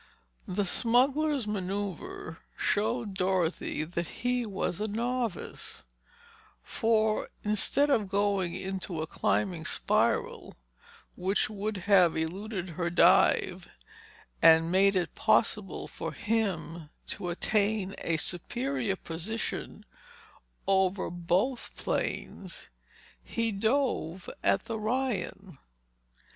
The smuggler's maneuver showed Dorothy that he was a novice; for instead of going into a climbing spiral which would have eluded her dive and made it possible for him to attain a superior position over both planes, he dove at the Ryan.